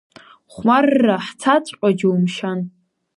Хәмарра ҳцаҵәҟьо џьумшьан.